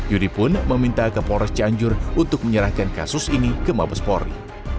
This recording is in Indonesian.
yudi pun meminta ke polres cianjur untuk menyerahkan kasus ini ke mabes polri